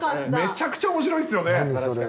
めちゃくちゃ面白いっすよね。